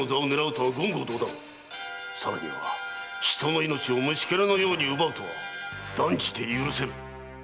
さらには人の命を虫けらのように奪うとは断じて許せん！